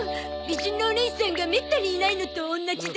美人のおねいさんがめったにいないのと同じだゾ。